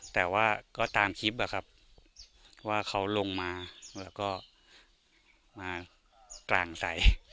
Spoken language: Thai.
แต่ว่าก็ตามคลิปอะครับว่าเขาลงมาแล้วก็มากกลางใส